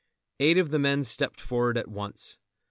Eight of the men stepped forward at once.